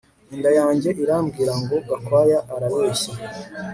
Inda yanjye irambwira ngo Gakwaya arabeshya